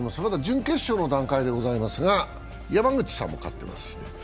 まだ準決勝の段階でございますが、山口さんも勝ってますしね。